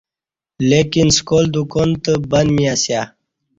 لیکن سکال دکان تہ بند می اسیہ